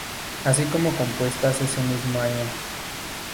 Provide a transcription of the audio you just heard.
Así como compuestas ese mismo año.